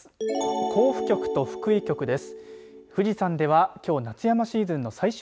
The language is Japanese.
甲府局と福井局です。